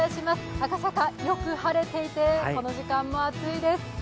赤坂、よく晴れていて、この時間も暑いです。